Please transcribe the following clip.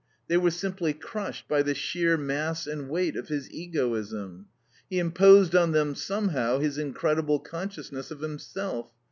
They were simply crushed by the sheer mass and weight of his egoism. He imposed on them somehow his incredible consciousness of himself.